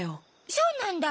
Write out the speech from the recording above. そうなんだ。